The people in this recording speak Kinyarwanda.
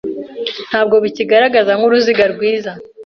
Ntabwo bikigaragara nkuruziga rwiza.